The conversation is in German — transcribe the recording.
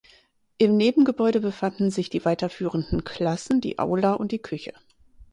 Im Nebengebäude befanden sich die weiterführenden Klassen, die Aula und die Küche.